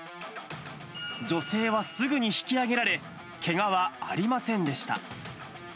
女性はすぐに引き上げられ、けがはありませんでした。